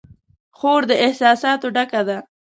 خور د احساساتو ډکه ده.